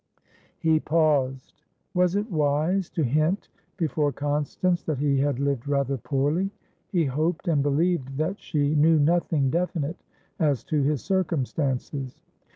He paused. Was it wise to hint before Constance that he had lived rather poorly? He hoped, and believed, that she knew nothing definite as to his circumstances.